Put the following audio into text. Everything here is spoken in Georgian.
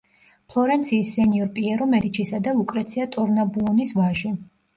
ფლორენციის სენიორ პიერო მედიჩისა და ლუკრეცია ტორნაბუონის ვაჟი.